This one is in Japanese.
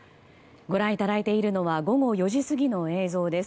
ご覧いただいているのは午後４時過ぎの映像です。